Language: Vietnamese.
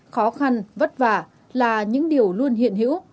khó khăn vất vả là những điều luôn hiện hữu